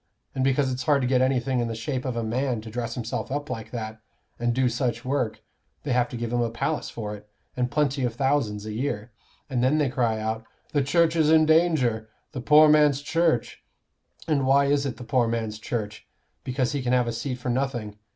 And because it's hard to get anything in the shape of a man to dress himself up like that, and do such work, they have to give him a palace for it, and plenty of thousands a year. And then they cry out 'The Church is in danger,' 'the poor man's Church.' And why is it the poor man's Church? Because he can have a seat for nothing.